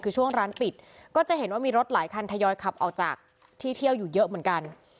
คือช่วงร้านปิดก็จะเห็นว่ามีรถหลายคันทยอยขับออกจากที่เที่ยวอยู่เยอะเหมือนกัน